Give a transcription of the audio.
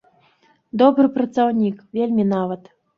Добры працаўнік, вельмі нават.